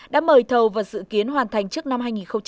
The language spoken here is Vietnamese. đã mời thầu và dự kiến hoàn thành trước năm hai nghìn hai mươi